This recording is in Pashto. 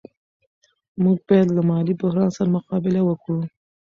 موږ باید له مالي بحران سره مقابله وکړو.